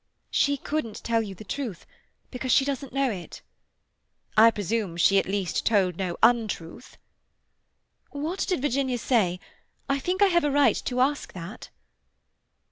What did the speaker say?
"She couldn't tell you the truth, because she doesn't know it." "I presume she at least told no untruth." "What did Virginia say? I think I have a right to ask that."